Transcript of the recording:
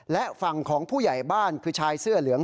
และฝั่งของผู้ใหญ่บ้านคือชายเสื้อเหลือง